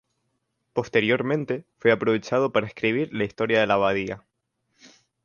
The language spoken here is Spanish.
Posteriormente fue aprovechado para escribir la historia de la abadía.